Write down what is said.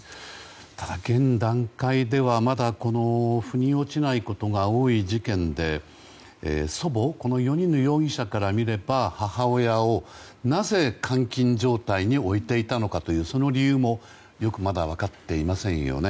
ただ、現段階ではまだ腑に落ちないことが多い事件でこの祖母４人の容疑者から見れば母親を、なぜ監禁状態に置いていたのかというその理由もまだよく分かっていませんよね。